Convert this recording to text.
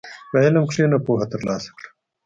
په علم کښېنه، پوهه ترلاسه کړه.